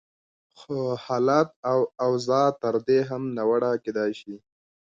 خو حالت او اوضاع تر دې هم ناوړه کېدای شي.